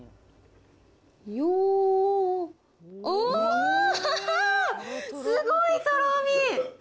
よー、あー、すごいとろみ。